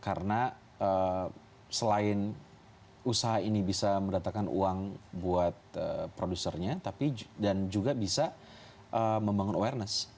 karena selain usaha ini bisa mendatangkan uang buat produsernya tapi dan juga bisa membangun awareness